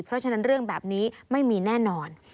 เพราะฉะนั้นเรื่องแบบนี้ไม่มีแน่นอน